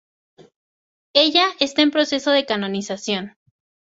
Ella está en proceso de canonización.